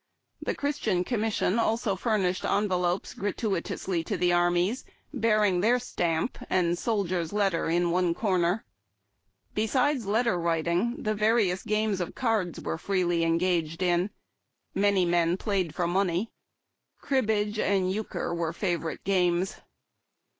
The Christian Commission also furnished envelopes LIFE JN TENTS. g5 gratuitously to the armies, bearing their stamp and "Sol dier's letter " in one corner. Besides letter writing the various games of cards were freely engaged in. Many men pla3 ed for money. Cribbage and euchre were favorite games.